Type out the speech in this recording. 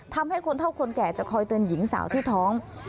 ทำให้คนเท่าคนแก่จะคอยเตือนหญิงสาวที่ท้อง